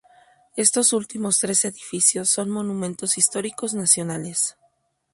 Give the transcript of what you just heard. Estos últimos tres edificios son Monumentos Históricos Nacionales.